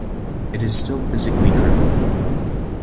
It is still physically driven.